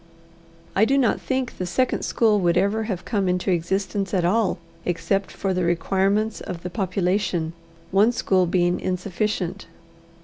I do not think the second school would ever have come into existence at all except for the requirements of the population, one school being insufficient.